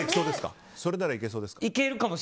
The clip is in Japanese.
それならいけそうですか。